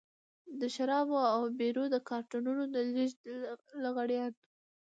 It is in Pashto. د شرابو او بيرو د کارټنونو د لېږد لغړيان.